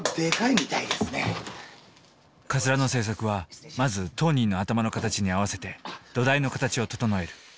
かつらの製作はまず当人の頭の形に合わせて土台の形を整える。